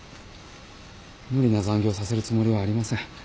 無理な残業させるつもりはありません。